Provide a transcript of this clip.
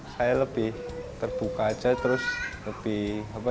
saya lebih terbuka saja terus lebih jadi ke keumuman